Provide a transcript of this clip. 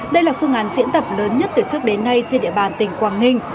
đây là phương án diễn tập lớn nhất từ trước đến nay trên địa bàn tỉnh quảng ninh